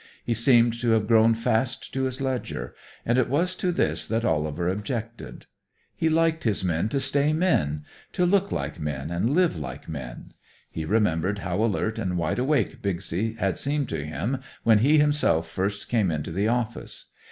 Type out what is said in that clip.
He seemed to have grown fast to his ledger, and it was to this that Oliver objected. He liked his men to stay men, to look like men and live like men. He remembered how alert and wide awake Bixby had seemed to him when he himself first came into the office.